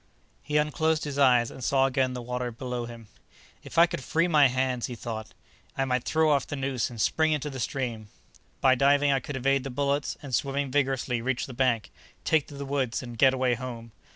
He unclosed his eyes and saw again the water below him. "If I could free my hands," he thought, "I might throw off the noose and spring into the stream. By diving I could evade the bullets and, swimming vigorously, reach the bank, take to the woods and get away home.